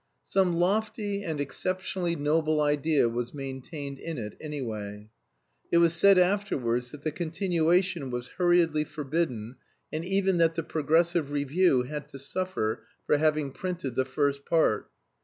Some lofty and exceptionally noble idea was maintained in it, anyway. It was said afterwards that the continuation was hurriedly forbidden and even that the progressive review had to suffer for having printed the first part.